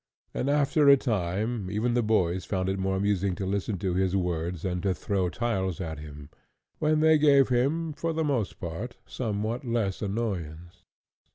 And after a time, even the boys found it more amusing to listen to his words than to throw tiles at him; when they gave him, for the most part, somewhat less annoyance.